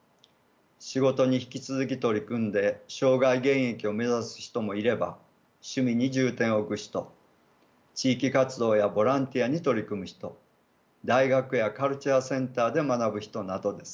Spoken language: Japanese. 仕事に引き続き取り組んで生涯現役を目指す人もいれば趣味に重点を置く人地域活動やボランティアに取り組む人大学やカルチャーセンターで学ぶ人などです。